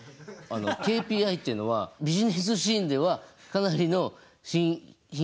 あのＫＰＩっていうのはビジネスシーンではかなりの頻出単語。